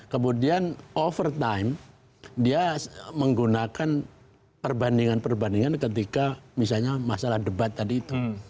kemudian over time dia menggunakan perbandingan perbandingan ketika misalnya masalah debat tadi itu